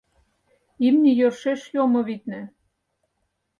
— Имне йӧршеш йомо, витне.